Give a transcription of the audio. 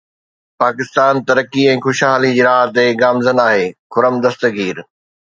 پاڪستان ترقي ۽ خوشحالي جي راهه تي گامزن آهي: خرم دستگير